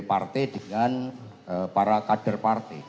partai dengan para kader partai